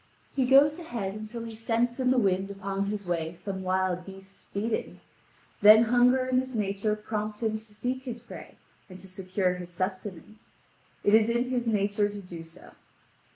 He goes ahead until he scents in the wind upon his way some wild beasts feeding; then hunger and his nature prompt him to seek his prey and to secure his sustenance. It is his nature so to do.